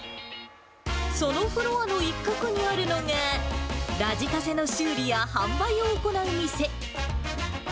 そのフロアの一角にあるのが、ラジカセの修理や販売を行う店。